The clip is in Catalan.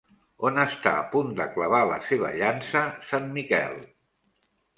On està a punt de clavar la seva llança Sant Miquel?